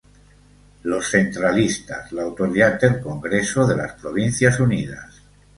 Los centralistas la autoridad del Congreso de las Provincias Unidas.